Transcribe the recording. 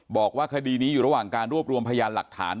บอกว่าคดีนี้อยู่ระหว่างการรวบรวมพยานหลักฐาน